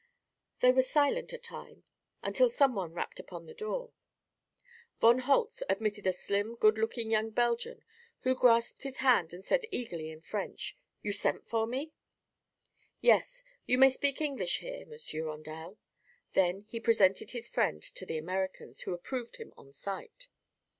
They were silent a time, until someone rapped upon the door. Von Holtz admitted a slim, good looking young Belgian who grasped his hand and said eagerly in French: "You sent for me?" "Yes. You may speak English here, Monsieur Rondel." Then he presented his friend to the Americans, who approved him on sight.